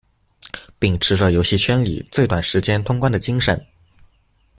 秉持著遊戲圈裡最短時間通關的精神